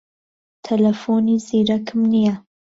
تەلەفۆنی زیرەکم نییە.